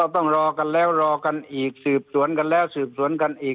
ต้องรอกันแล้วรอกันอีกสืบสวนกันแล้วสืบสวนกันอีก